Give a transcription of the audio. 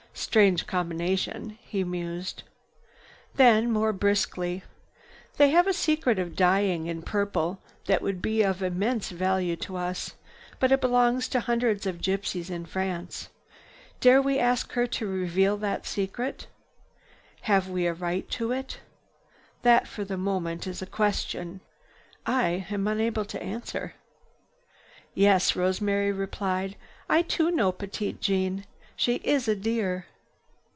Strange combination," he mused. Then, more briskly, "They have a secret of dyeing in purple that would be of immense value to us. But it belongs to hundreds of gypsies in France. Dare we ask her to reveal that secret? Have we a right to it? That, for the moment, is a question. I am unable to answer." "Yes," Rosemary replied, "I too know Petite Jeanne. She is a dear!"